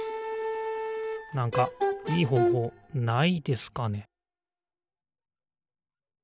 なんかいいほうほうないですかね